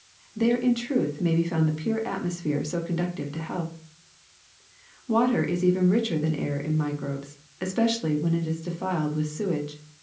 There in truth may be found the pure atmosphere so con ducive to health. *' Water is even richer than air in microbes, espe cially when it is defiled with sewage.